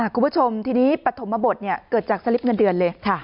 คุณผู้ชมทีนี้ปฐมบทเกิดจากสลิปเงินเดือนเลย